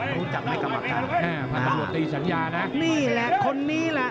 พันธ์ฯหนวดตีสัญญานะนี่แหละคนนี้แหละ